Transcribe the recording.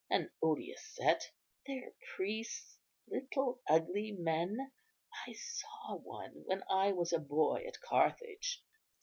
an odious set! Their priests, little ugly men. I saw one when I was a boy at Carthage.